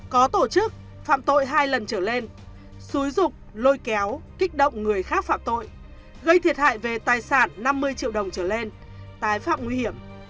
có tổ chức phạm tội hai lần trở lên xúi rục lôi kéo kích động người khác phạm tội gây thiệt hại về tài sản năm mươi triệu đồng trở lên tái phạm nguy hiểm